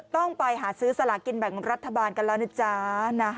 ต้องไปหาซื้อสลากินแบ่งรัฐบาลกันแล้วนะจ๊ะ